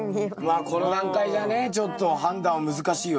まあこの段階じゃねちょっと判断難しいよね。